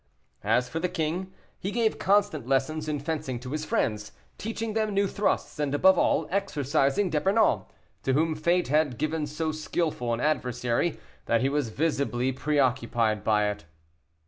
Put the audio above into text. As for the king, he gave constant lessons in fencing to his friends, teaching them new thrusts, and, above all, exercising D'Epernon, to whom fate had given so skilful an adversary, that he was visibly preoccupied by it.